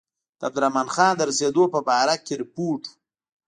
د عبدالرحمن خان د رسېدلو په باره کې رپوټ و.